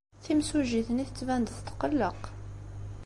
Timsujjit-nni tettban-d tetqelleq.